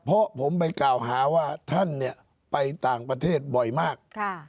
เพราะผมไปกล่าวหาว่าท่านเนี่ยไปต่างประเทศบ่อยมาก